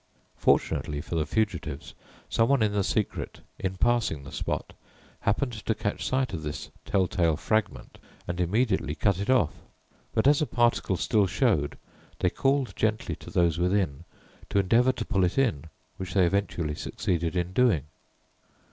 Fortunately for the fugitives, someone in the secret, in passing the spot, happened to catch sight of this tell tale fragment and immediately cut it off; but as a particle still showed, they called gently to those within to endeavour to pull it in, which they eventually succeeded in doing.